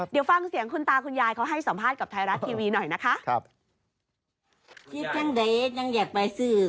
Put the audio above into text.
เดี๋ยวฟังเสียงคุณตาคุณยายเขาให้สัมภาษณ์กับไทยรัฐทีวีหน่อยนะคะครับ